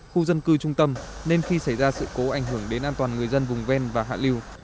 khu dân cư trung tâm nên khi xảy ra sự cố ảnh hưởng đến an toàn người dân vùng ven và hạ liều